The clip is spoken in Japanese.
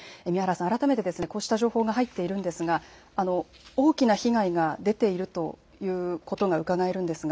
改めてこうした情報が入っているんですが大きな被害が出ているということがうかがえるんですが